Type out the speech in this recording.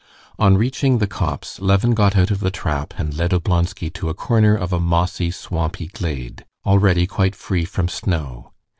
On reaching the copse, Levin got out of the trap and led Oblonsky to a corner of a mossy, swampy glade, already quite free from snow.